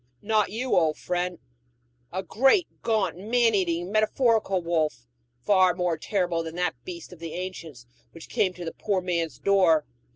Not you, old friend a great, gaunt, man eating, metaphorical wolf, far more terrible than that beast of the ancients which came to the poor man's door.